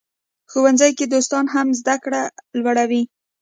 ښوونځي کې دوستان هم زده کړه لوړوي.